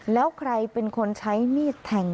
แล้วใครเป็นคนใช้มีดแทง